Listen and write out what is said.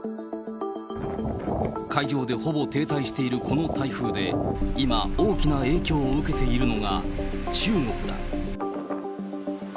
海上でほぼ停滞しているこの台風で、今、大きな影響を受けているのが、中国だ。